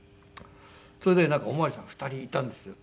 それでなんかお巡りさんが２人いたんですよ